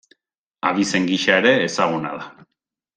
Abizen gisa ere ezaguna da.